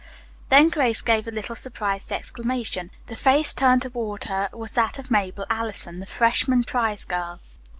Then Grace gave a little surprised exclamation. The face turned toward her was that of Mabel Allison, the freshman prize girl.